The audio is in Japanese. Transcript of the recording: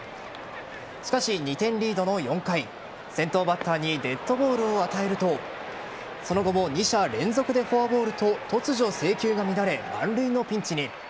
しかし、２点リードの４回先頭バッターにデッドボールを与えるとその後も２者連続でフォアボールと突如、制球が乱れ満塁のピンチに。